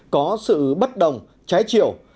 có sự bất động trái chiều